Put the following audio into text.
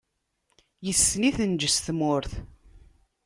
Yes-sen i tenǧes tmurt.